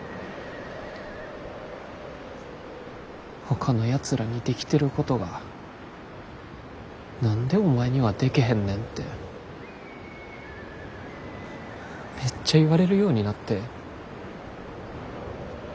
ほかのやつらにできてることが何でお前にはでけへんねんてめっちゃ言われるようになって。